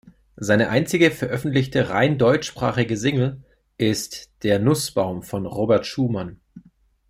Seine einzige veröffentlichte rein deutschsprachige Single ist "Der Nußbaum" von Robert Schumann.